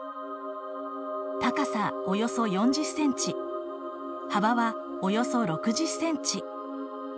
高さおよそ４０ｃｍ幅はおよそ６０ｃｍ。